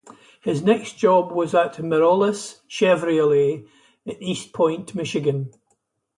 His next job was at Merollis Chevrolet in Eastpointe, Michigan.